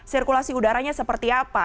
sirkulasi udaranya seperti apa